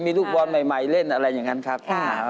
มีลูกบอลใหม่เล่นอะไรอย่างนั้นครับ